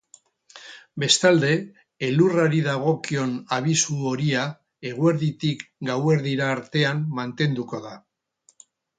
Bestalde, elurrari dagokion abisu horia eguerditik gauerdira artean mantenduko da.